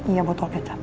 iya botol kecap